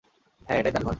হ্যাঁ এটাই তার ঘর।